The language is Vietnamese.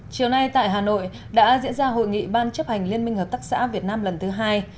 chiều nay tại hà nội đã diễn ra hội nghị ban chấp hành liên minh hợp tác xã việt nam lần thứ hai